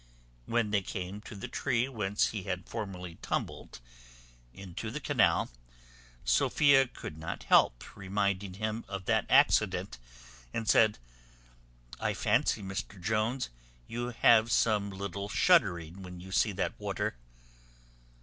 When they came to the tree whence he had formerly tumbled into the canal, Sophia could not help reminding him of that accident, and said, "I fancy, Mr Jones, you have some little shuddering when you see that water."